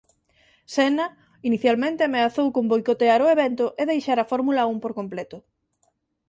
Senna inicialmente ameazou con boicotear o evento e deixar a Fórmula Un por completo.